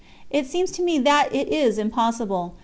It seems to me that it is impossible.